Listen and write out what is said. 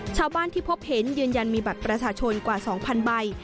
ชาวบ้านที่พบเห็นยืนยันมีบัตรประชาชนกว่า๒๐๐ใบ